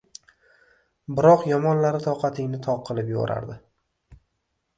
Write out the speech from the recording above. Biroq yomonlari toqatingni toq qilib yuboradi.